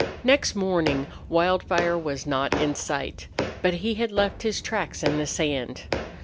Next morning Wildfire was not in sight, but he had left his tracks in the sand.